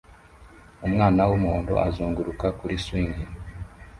Umwana wumuhondo uzunguruka kuri swing